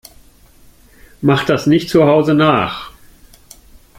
Macht das nicht zu Hause nach!